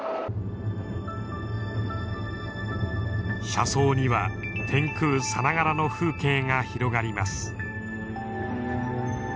車窓には天空さながらの風景が広がります。